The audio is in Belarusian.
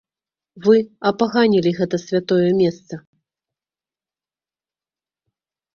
Вы апаганілі гэта святое месца.